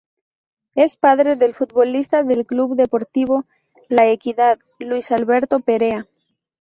Es padre del futbolista de Club Deportivo La Equidad, Luis Alberto Perea.